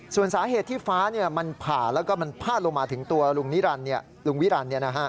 ส่วนสาเหตุที่ฟ้ามันผ่าแล้วก็มันพาดลงมาถึงตัวลุงนิลุงวิรันดิ